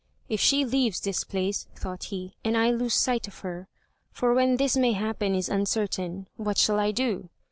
"If she leaves this place," thought he, "and I lose sight of her for when this may happen is uncertain what shall I do?"